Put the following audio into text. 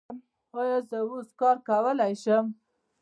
ایا زه اوس کار کولی شم؟